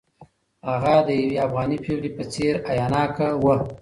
هغه د یوې افغانۍ پېغلې په څېر حیاناکه وه.